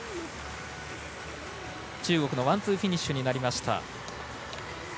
中国のワンツーフィニッシュになりました。